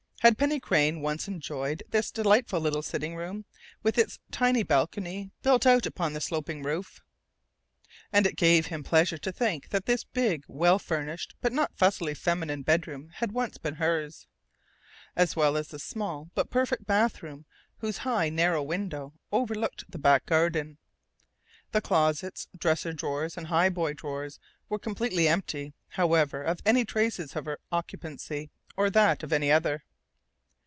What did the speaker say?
Had Penny Crain once enjoyed this delightful little sitting room, with its tiny balcony built out upon the sloping roof?... And it gave him pleasure to think that this big, well furnished but not fussily feminine bedroom had once been hers, as well as the small but perfect bathroom whose high narrow window overlooked the back garden. The closets, dresser drawers and highboy drawers were completely empty, however, of any traces of her occupancy or that of any other....